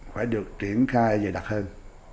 phải được triển khai về đặc hơn